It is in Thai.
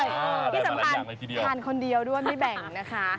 ที่สำคัญทานคนเดียวด้วยไม่แบ่งนะคะ